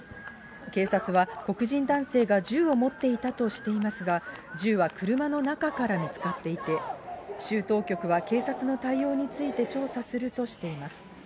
警察は黒人男性が銃を持っていたとしていますが、銃は車の中から見つかっていて、州当局は警察の対応について調査するとしています。